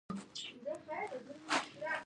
مينې له ننوتو سره سم په ټيټ غږ سلام وکړ.